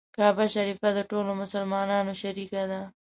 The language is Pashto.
کعبه شریفه د ټولو مسلمانانو شریکه ده.